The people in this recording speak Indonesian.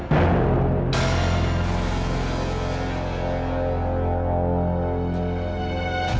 saya mau cari mereka